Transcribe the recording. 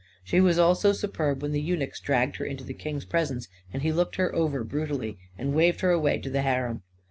She was also superb when the eunuchs dragged her into the king's presence, and he looked her over brutally, and waved her away to the harem.